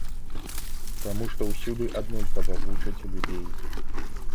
Таму што ўсюды аднолькава вучаць людзей.